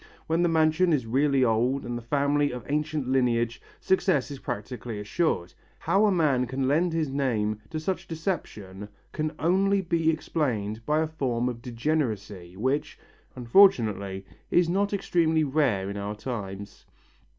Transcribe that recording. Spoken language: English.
When the mansion is really old and the family of ancient lineage, success is practically assured. How a man of noble birth can lend his name to such deception can only be explained by a form of degeneracy which, unfortunately, is not extremely rare in our times.